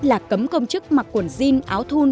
là cấm công chức mặc quần jean áo thun